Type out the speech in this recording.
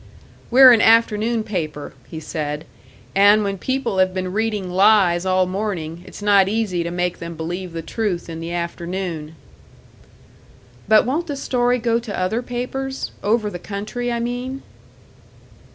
"We're an afternoon paper," he said; "and when people have been reading lies all morning, it's not easy to make them believe the truth in the afternoon." "But won't the story go to other papers over the country, I mean?"